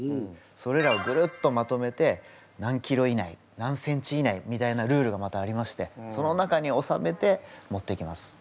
それらをグルッとまとめて何ｋｇ以内何ｃｍ以内みたいなルールがまたありましてその中におさめて持っていきます。